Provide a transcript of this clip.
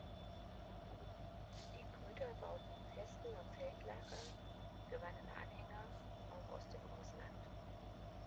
Die Brüder bauten Festen und Feldlager, gewannen Anhänger, auch aus dem Ausland.